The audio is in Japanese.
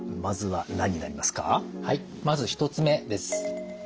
はいまず１つ目です。